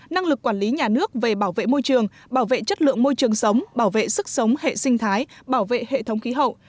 năng lực quản lý nhà nước về bảo vệ môi trường bảo vệ chất lượng môi trường sống bảo vệ sức sống hệ sinh thái bảo vệ hệ thống khí hậu